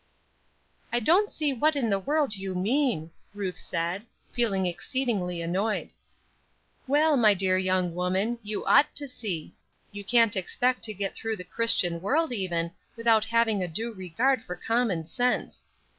"I don't see what in the world you mean!" Ruth said, feeling exceedingly annoyed. "Well, my dear young woman, you ought to see; you can't expect to get through the Christian world even without having a due regard for common sense.